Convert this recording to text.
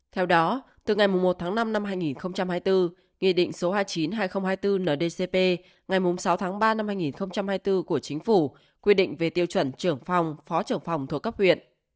theo đó từ ngày một tháng năm năm hai nghìn hai mươi bốn nghị định số hai mươi chín hai nghìn hai mươi bốn ndcp ngày sáu tháng ba năm hai nghìn hai mươi bốn của chính phủ quy định về tiêu chuẩn trưởng phòng phó trưởng phòng thuộc cấp huyện